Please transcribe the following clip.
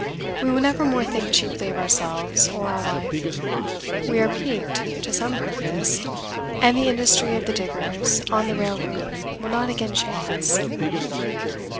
We will never more think cheaply of ourselves, or of life. We are piqued to some purpose, and the industry of the diggers on the railroad will not again shame us.